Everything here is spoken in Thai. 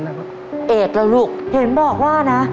เหทละลุคเห็นบอกว่านนะ